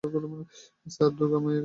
Sir, Durga মায়ের দয়া।